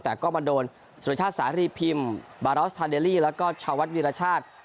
แต่ก็มาโดนสุรชาติสารีพิมพ์บารอสทาเดลลี่แล้วก็ชาววัดวิรชาติ